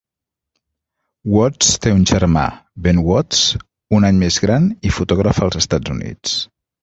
Watts té un germà, Ben Watts, un any més gran i fotògraf als Estats Units.